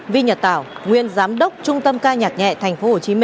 vi nhật tảo nguyên giám đốc trung tâm ca nhạc nhẹ tp hcm